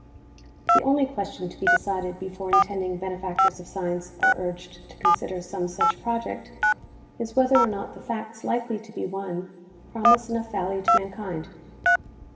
The only question to be decided before intending benefactors of science are urged to consider some such project is whether or not the facts likely to be won promise enough value to mankind.